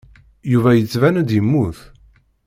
Yuba yettban-d yemmut.